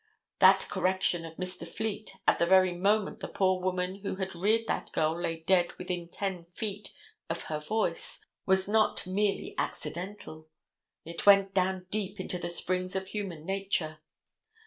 That correction of Mr. Fleet, at the very moment the poor woman who had reared that girl lay dead within ten feet of her voice, was not merely accidental. It went down deep into the springs of human nature.